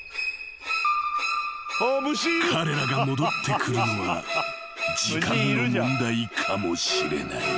［彼らが戻ってくるのは時間の問題かもしれない］